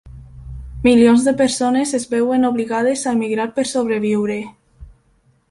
Milions de persones es veuen obligades a emigrar per sobreviure.